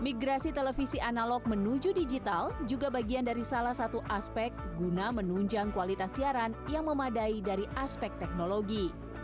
migrasi televisi analog menuju digital juga bagian dari salah satu aspek guna menunjang kualitas siaran yang memadai dari aspek teknologi